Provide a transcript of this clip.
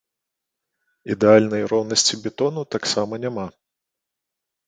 Ідэальнай роўнасці бетону таксама няма.